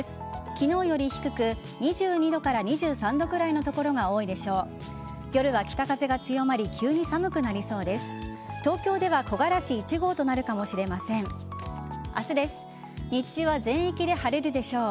昨日より低く２２度から２３度くらいの所が多いでしょう。